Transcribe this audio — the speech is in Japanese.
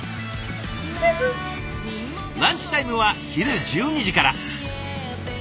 ランチタイムは昼１２時から。